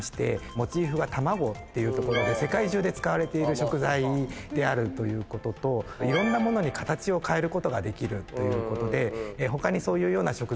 モチーフが卵っていうところで世界中で使われている食材であるということといろんなものに形を変えることができるということで。